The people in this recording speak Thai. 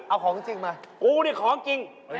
เอาของจริงมากูนี่ของจริง